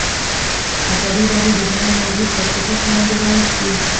ازادي راډیو د هنر موضوع تر پوښښ لاندې راوستې.